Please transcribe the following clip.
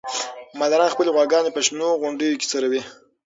مالداران خپلې غواګانې په شنو غونډیو کې څروي.